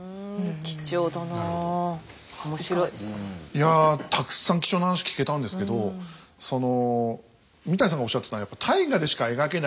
いやたくさん貴重な話聞けたんですけどその三谷さんがおっしゃってたやっぱ「大河」でしか描けない人間の揺れ。